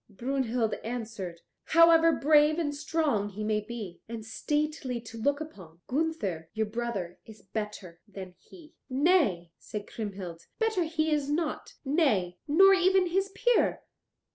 Brunhild answered, "However brave and strong he may be, and stately to look upon, Gunther, your brother, is better than he." "Nay," said Kriemhild, "better he is not, nay, nor even his peer."